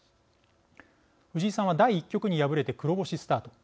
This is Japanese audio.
藤井さんは第１局に敗れて黒星スタート。